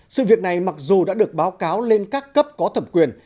sự việc này mặc dù đã được báo cáo lên các cấp có thẩm quyền